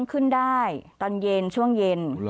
ขึ้นได้ตอนเย็นช่วงเย็น